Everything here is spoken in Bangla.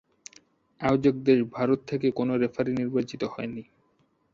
আয়োজক দেশ ভারত থেকে কোন রেফারি নির্বাচিত হয়নি।